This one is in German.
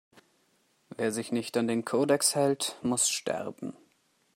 Wer sich nicht an den Kodex hält, muss sterben!